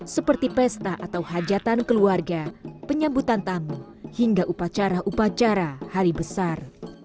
seperti pesta atau hajatan keluarga penyambutan tamu hingga upacara upacara hari besar